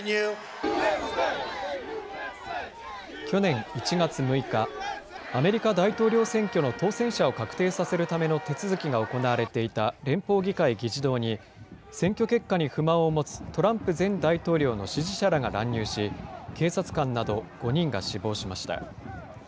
去年１月６日、アメリカ大統領選挙の当選者を確定させるための手続きが行われていた連邦議会議事堂に、選挙結果に不満を持つトランプ前大統領の支持者らが乱入し、警察官など５人が死亡しました。